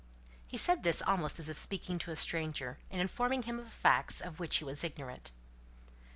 He said this almost as if speaking to a stranger, and informing him of facts of which he was ignorant.